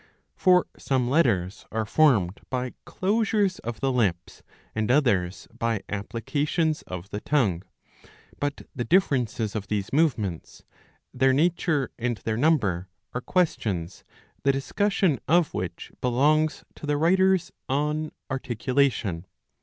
For some letters are formed by closures of the lips and others by applications of the tongue. But the differences of these movements, their nature and their number, are questions, the discussion of which belongs to the writers on articulation.